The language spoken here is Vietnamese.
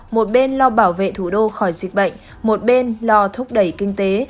một bên lo bảo vệ thủ đô khỏi dịch bệnh một bên lo thúc đẩy kinh tế